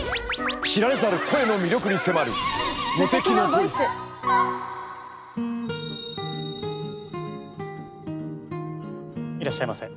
知られざる声の魅力に迫るいらっしゃいませ。